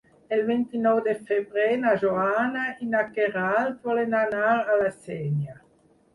El vint-i-nou de febrer na Joana i na Queralt volen anar a la Sénia.